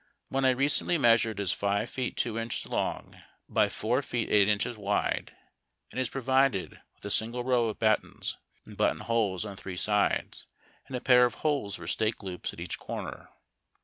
One I recently measured is five feet two inches, long by four feet eight inches wide, and is provided with a single row of buttons and button holes on three sides, and a pair of holes for stake loops at each corner.